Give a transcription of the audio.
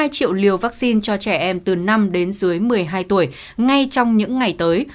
hai triệu liều vaccine cho trẻ em từ năm đến dưới một mươi hai tuổi ngay trong những ngày tới